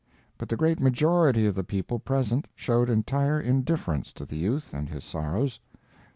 But the great majority of the people present showed entire indifference to the youth and his sorrows.